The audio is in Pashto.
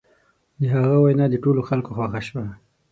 د هغه وینا د ټولو خلکو خوښه شوه.